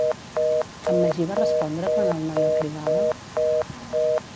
En Magí va respondre quan el noi el cridava?